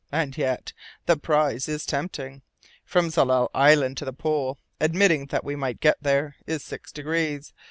And yet the prize is tempting! From Tsalal Island to the pole, admitting that we might get there, is six degrees.